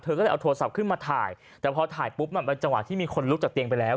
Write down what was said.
ก็เลยเอาโทรศัพท์ขึ้นมาถ่ายแต่พอถ่ายปุ๊บมันเป็นจังหวะที่มีคนลุกจากเตียงไปแล้ว